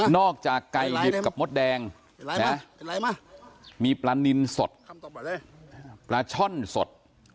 จากไก่ดิบกับมดแดงนะมีปลานินสดปลาช่อนสด